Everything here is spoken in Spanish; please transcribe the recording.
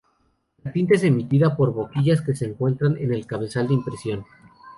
La tinta es emitida por boquillas que se encuentran en el cabezal de impresión.